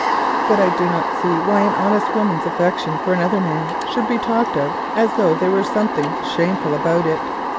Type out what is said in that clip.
But I do not see why an honest woman's affection for another man should be talked of as though there was something shameful about it.